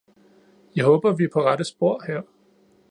Jeg håber, at vi er på rette spor her.